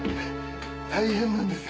大変なんですよ！